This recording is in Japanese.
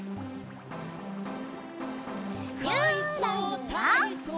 「かいそうたいそう」